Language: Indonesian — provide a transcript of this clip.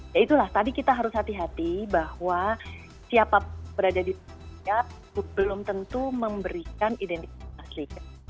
ya itulah tadi kita harus hati hati bahwa siapa berada di papua belum tentu memberikan identitas asli